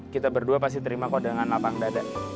kita berdua pasti terima kau dengan lapang dada